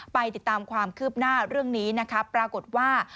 ไปติดตามความคืบหน้าเรื่องนี้นะครับปรากฏว่า